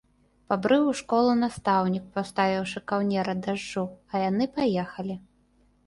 Пабрыў у школу настаўнік, паставіўшы каўнер ад дажджу, а яны паехалі.